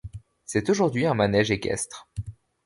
C'est aujourd'hui un manège équestre.